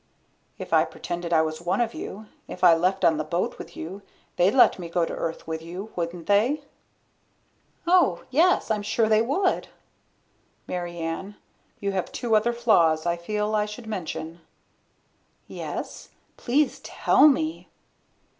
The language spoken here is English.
"If I pretended I was one of you, if I left on the boat with you, they'd let me go to Earth with you. Wouldn't they?" "Oh, yes, I'm sure they would." "Mary Ann, you have two other flaws I feel I should mention." "Yes? Please tell me."